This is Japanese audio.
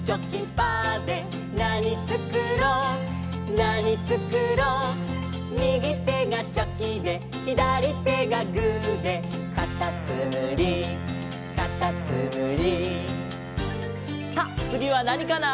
「なにつくろうなにつくろう」「右手がチョキで左手がグーで」「かたつむりかたつむり」さあつぎはなにかな？